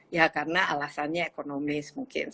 ya karena alasannya ekonomis mungkin